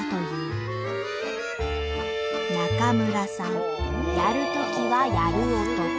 中村さんやるときはやる男。